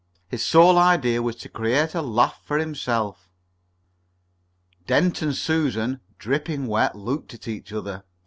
His sole idea was to create a laugh for himself. Dent and Susan, dripping wet, looked at each other.